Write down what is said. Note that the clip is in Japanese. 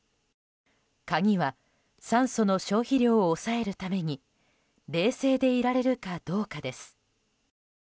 鍵は、酸素の消費量を抑えるために冷静でいられるかどうかです。